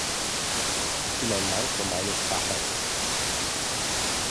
Ich bin ein Meister meines Faches.